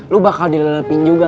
lo bakal dilelepin juga